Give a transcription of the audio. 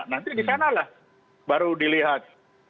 nanti di sanalah baru dilihat